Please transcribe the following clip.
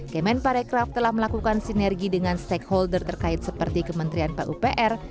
kemen parekraf telah melakukan sinergi dengan stakeholder terkait seperti kementerian pupr